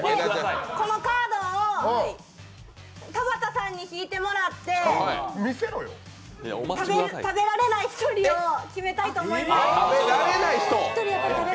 で、このカードを田畑さんに引いてもらって食べられない１人を決めたいと思います。